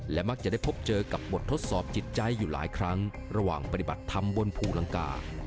และมักจะได้พบเจอกับบททดสอบจิตใจอยู่หลายครั้งระหว่างปฏิบัติธรรมบนภูลังกา